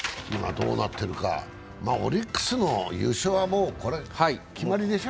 オリックスの優勝は決まりでしょ？